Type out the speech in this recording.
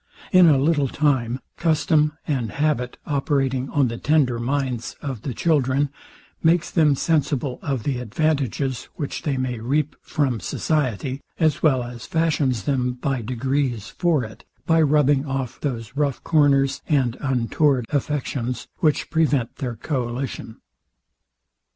In a little time, custom and habit operating on the tender minds of the children, makes them sensible of the advantages, which they may reap from society, as well as fashions them by degrees for it, by rubbing off those rough corners and untoward affections, which prevent their coalition.